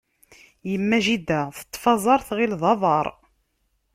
Imma jidda teṭṭef aẓaṛ, tɣil d aḍaṛ.